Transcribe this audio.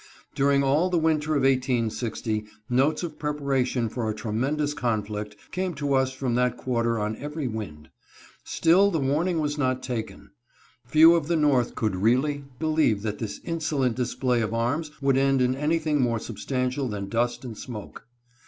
During all the winter of 1860 notes of prepara tion for a tremendous conflict came to us from that quarter on every wind. Still the warning was not taken. Few of the North could really believe that this insolent display of arms would end in anything more substantial than dust and smoke.